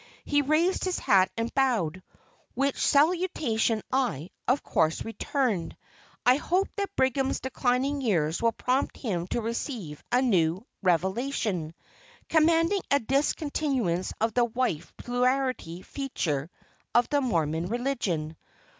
He raised his hat and bowed, which salutation I, of course, returned. I hope that Brigham's declining years will prompt him to receive a new "revelation," commanding a discontinuance of the wife plurality feature of the Mormon religion.